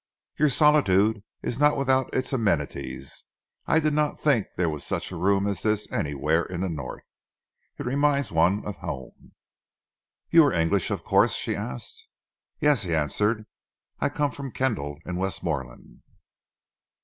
"Your solitude is not without its amenities. I did not think there was such a room as this anywhere in the north. It reminds one of home!" "You are English, of course?" she asked. "Yes," he answered. "I come from Kendal, in Westmorland."